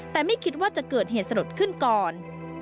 แต่ไม่คิดว่าจะเกิดเหตุสลดขึ้นก่อน